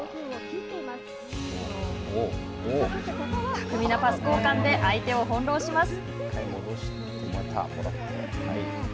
巧みなパス交換で相手を翻弄します。